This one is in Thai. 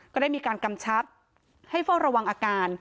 ก็ได้มีการกำชับให้เฝ้าระวังอาการ